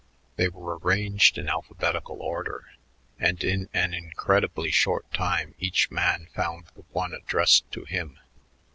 They were arranged in alphabetical order, and in an incredibly short time each man found the one addressed to him.